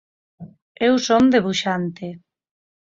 Eu son debuxante.